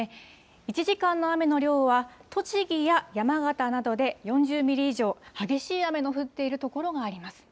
１時間の雨の量は栃木や山形などで４０ミリ以上、激しい雨の降っている所があります。